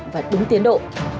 và đúng tiến độ